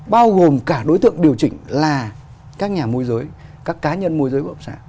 bao gồm cả đối tượng điều chỉnh là các nhà môi giới các cá nhân môi giới